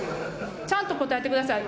ちゃんと答えてください。